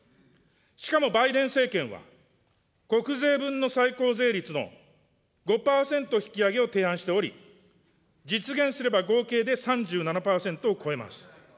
しかもバイデン政権は、国税分の最高税率の５％引き上げを提案しており、実現すれば合計で３７％を超えます。